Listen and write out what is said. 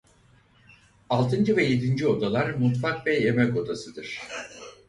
Altıncı ve yedinci odalar mutfak ve yemek odasıdır.